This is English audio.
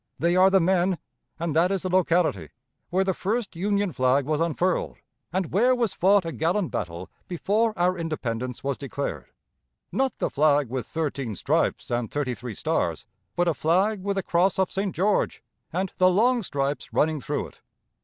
They are the men, and that is the locality, where the first Union flag was unfurled, and where was fought a gallant battle before our independence was declared not the flag with thirteen stripes and thirty three stars, but a flag with a cross of St. George, and the long stripes running through it.